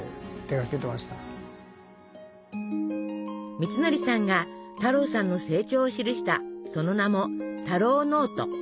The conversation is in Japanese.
みつのりさんが太郎さんの成長を記したその名も「たろうノート」。